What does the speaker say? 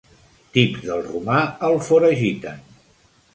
Tips del romà, el foragiten.